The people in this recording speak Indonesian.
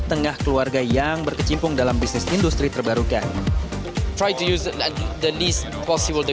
tengah keluarga yang berkecimpung dalam bisnis industri terbarukan try to use the least possible